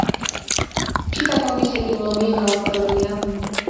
ჩიტაგონგის ეტიმოლოგია გაურკვეველია.